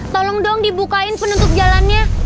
tolong dong dibukain penutup jalannya